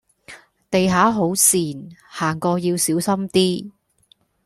地下好跣，行過要小心啲